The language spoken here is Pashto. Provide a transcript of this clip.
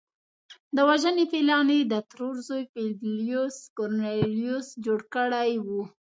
د وژنې پلان یې د ترور زوی پبلیوس کورنلیوس جوړ کړی و